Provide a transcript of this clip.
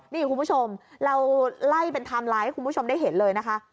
นี่คุณผู้ชมเราไล่เป็นไทม์ไลน์ให้คุณผู้ชมได้เห็นเลยนะคะ